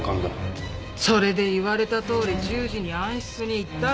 それで言われたとおり１０時に暗室に行ったら。